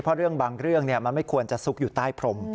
เพราะเรื่องบางเรื่องมันไม่ควรจะซุกอยู่ใต้พรม